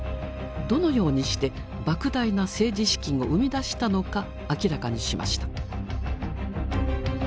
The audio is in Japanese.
どのようにしてばく大な政治資金を生み出したのか明らかにしました。